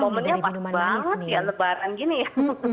momennya pas banget ya lebaran gini ya